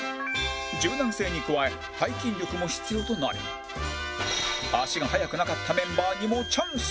柔軟性に加え背筋力も必要となり足が速くなかったメンバーにもチャンスが